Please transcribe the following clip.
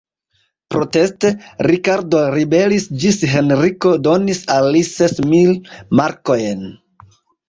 Proteste, Rikardo ribelis ĝis Henriko donis al li ses mil markojn.